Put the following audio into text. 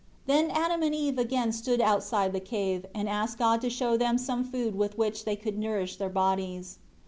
6 Then Adam and Eve again stood outside the cave, and asked God to show them some food with which they could nourish their bodies.